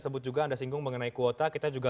sebut juga anda singgung mengenai kuota kita juga